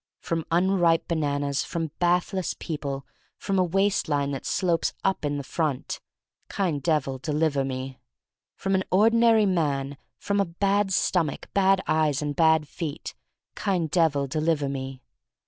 From unripe bananas; from bathless people; from a waist line that slopes up in the front: Kind Devil, deliver me. From an ordinary man; from a bad stomach, bad eyes, and bad feet: Kind Devil, deliver me.